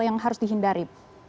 yang harus dihindari